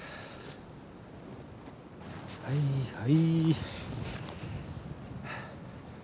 はいはい。